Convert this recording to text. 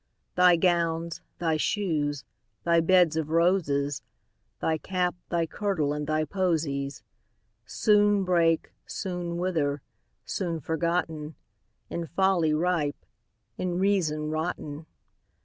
Thy gowns, thy shoes, thy beds of roses, Thy cap, thy kirtle, and thy posies, Soon break, soon wither—soon forgotten, In folly ripe, in reason rotten.